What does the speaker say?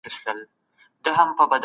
د ټاکنو پايلي د کميسيون لخوا اعلان سوې.